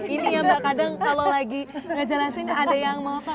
ini ya mbak kadang kalau lagi ngejelasin ada yang mau kan